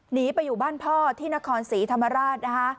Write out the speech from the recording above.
หนีไปอยู่บ้านพ่อที่นครศรีธรรมราชนะคะ